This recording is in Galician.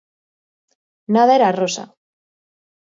Nada era rosa.